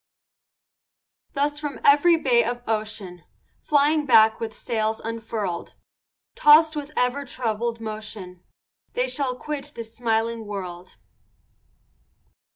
Thus from every bay of ocean, Flying back with sails unfurl'd, Tossed with ever troubled motion, They shall quit this smiling world.